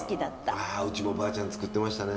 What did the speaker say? ああうちもばあちゃん作ってましたね。